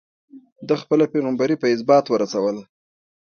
ده خپله پيغمبري په ازبات ورسوله.